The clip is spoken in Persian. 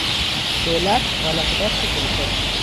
دولت آلت دست کلیسا بود.